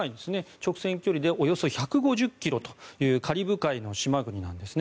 直線距離でおよそ１５０ｋｍというカリブ海の島国なんですね。